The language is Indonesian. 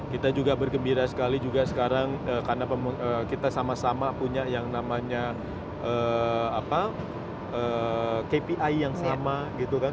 kita juga bergembira sekali juga sekarang karena kita sama sama punya yang namanya kpi yang sama gitu kan